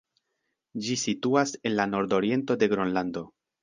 Ĝi situas en la nord-oriento de Gronlando.